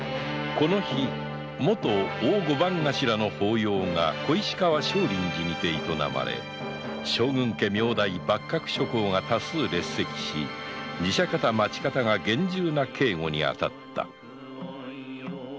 この日もと大御番頭の法要が正林寺にて営まれ将軍家名代幕閣諸侯が多数列席し寺社方・町方が厳重な警護に当たった